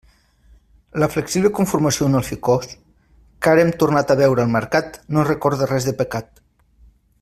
La flexible conformació d'un alficòs, que ara hem tornat a veure al mercat, no recorda res de pecat.